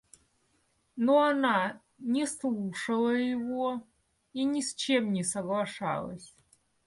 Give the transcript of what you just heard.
Но она не слушала его и ни с чем не соглашалась.